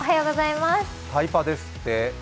タイパですって。